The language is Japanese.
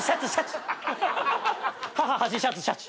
母端シャツシャチ。